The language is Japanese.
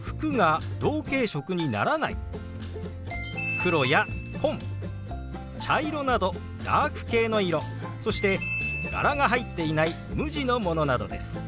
黒や紺茶色などダーク系の色そして柄が入っていない無地のものなどです。